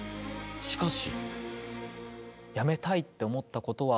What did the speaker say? しかし。